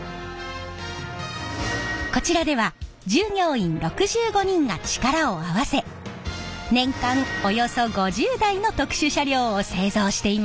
こちらでは従業員６５人が力を合わせ年間およそ５０台の特殊車両を製造しています！